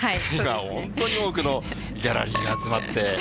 本当に多くのギャラリーが集まって。